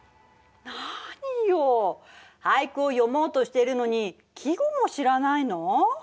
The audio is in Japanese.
何よ俳句を詠もうとしているのに季語も知らないの？